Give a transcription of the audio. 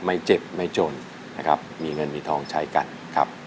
ไม่เจ็บไม่จนนะครับมีเงินมีทองใช้กันครับ